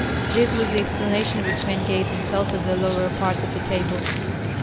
This was the explanation which men gave themselves at the lower parts of the table.